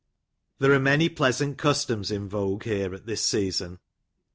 There are many pleasant customs in vogue here at this season.